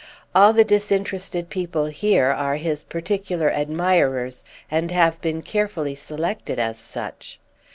All the disinterested people here are his particular admirers and have been carefully selected as such.